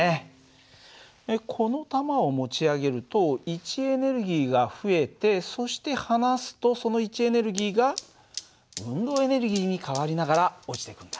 この玉を持ち上げると位置エネルギーが増えてそして離すとその位置エネルギーが運動エネルギーに変わりながら落ちていくんだね。